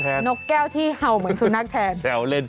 ให้เลี้ยงนกแก้วที่เห่าเหมือนสุนัขแทน